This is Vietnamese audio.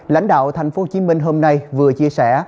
lãnh đạo thành phố hồ chí minh hôm nay vừa chia sẻ